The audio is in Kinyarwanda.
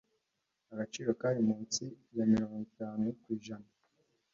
Agaciro kari munsi ya mirongo itanu ku ijana